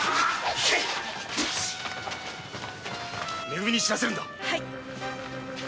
め組に知らせるんだ！